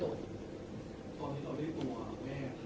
ตอนนี้เราได้ตัวแม่